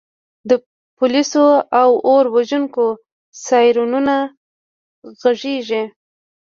د پولیسو او اور وژونکو سایرنونه غږیږي